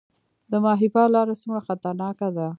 د ماهیپر لاره څومره خطرناکه ده؟